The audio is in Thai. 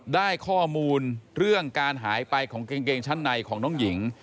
ได้ข้อมูลเรื่องการหายไปของกางเกงชั้นในของน้องหญิง